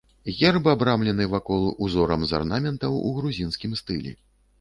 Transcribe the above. Герб абрамлены вакол узорам з арнаментаў у грузінскім стылі.